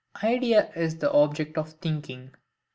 Idea is the Object of Thinking.